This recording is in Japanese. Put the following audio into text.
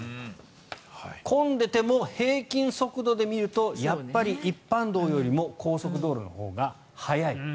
混んでても平均速度で見るとやっぱり一般道よりも高速道路のほうが早い。